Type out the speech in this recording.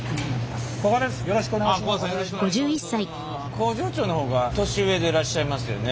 工場長の方が年上でいらっしゃいますよね？